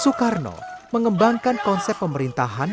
sukarno mengembangkan konsep pemerintahan